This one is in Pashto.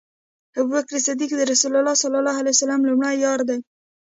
ابوبکر صديق د رسول الله صلی الله عليه وسلم لومړی یار دی